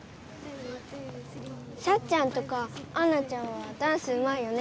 サッちゃんとかアンナちゃんはダンスうまいよね。